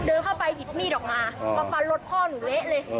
เดินเข้าไปหยิบมีดออกมามาฟันรถพ่อหนูเละเลย